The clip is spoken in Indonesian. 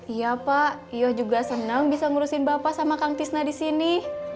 iya pak yo juga seneng bisa ngurusin bapak sama kang tisna disini